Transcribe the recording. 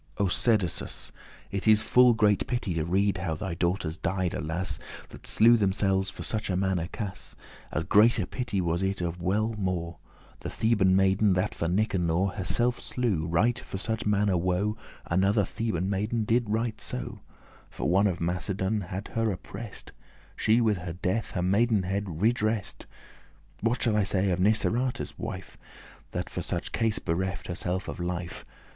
O Sedasus, it is full great pity To reade how thy daughters died, alas! That slew themselves *for suche manner cas.* *in circumstances of As great a pity was it, or well more, the same kind* The Theban maiden, that for Nicanor Herselfe slew, right for such manner woe. Another Theban maiden did right so; For one of Macedon had her oppress'd, She with her death her maidenhead redress'd.* *vindicated What shall I say of Niceratus' wife, That for such case bereft herself her life?